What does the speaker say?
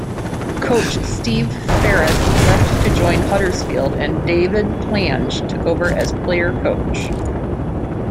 Coach Steve Ferres left to join Huddersfield and David Plange took over as player-coach.